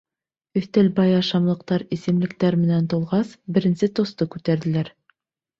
Өҫтәл бай ашамлыҡтар, эсемлектәр менән тулғас, беренсе тосты күтәрҙеләр.